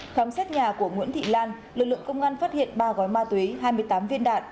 khám xét nhà của nguyễn thị lan lực lượng công an phát hiện ba gói ma túy hai mươi tám viên đạn